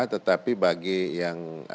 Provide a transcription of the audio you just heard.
tetapi bagi yang